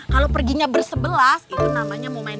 hah kalau perginya bersebelas itu namanya mohon maaf